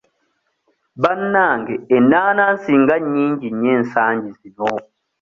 Bannange enaanaansi nga nnyingi nnyo ensangi zino?